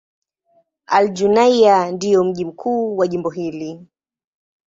Al-Junaynah ndio mji mkuu wa jimbo hili.